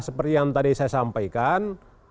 seperti yang tadi saya sampaikan